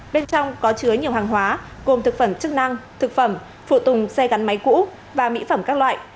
bên trong có chứa nhiều hàng hóa gồm thực phẩm chức năng thực phẩm phụ tùng xe gắn máy cũ và mỹ phẩm các loại